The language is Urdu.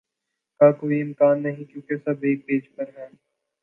کا کوئی امکان نہیں کیونکہ سب ایک پیج پر ہیں